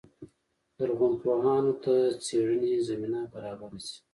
لرغونپوهانو ته څېړنې زمینه برابره شي.